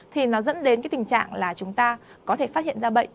thì nó dẫn đến cái tình trạng là chúng ta có thể phát hiện ra bệnh